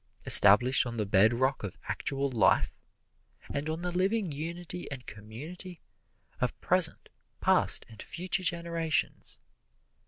Established on the bedrock of actual life, and on the living unity and community of present, past and future generations.